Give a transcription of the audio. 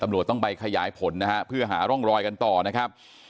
ตำรวจต้องไปขยายผลนะฮะเพื่อหาร่องรอยกันต่อนะครับ